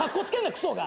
クソが！